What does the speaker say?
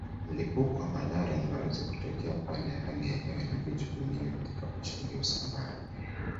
Mlipuko wa malaria unaweza kutokea pale hali ya hewa na vitu vingine vitakapochangia usambaaji